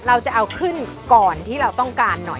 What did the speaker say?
เราจะเอาขึ้นก่อนที่เราต้องการหน่อย